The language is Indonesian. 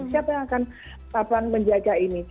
siapa yang akan menjaga ini